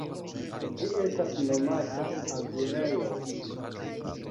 Ĝi estas nomata azulejos.